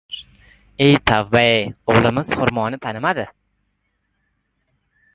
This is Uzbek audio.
E, tavba-ye, o‘g‘limiz xurmoni tanimadi!